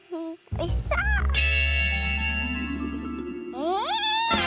え